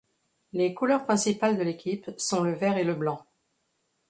Les couleurs principales de l'équipe sont le vert et le blanc.